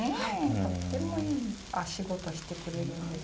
とってもいい仕事してくれるんですよ。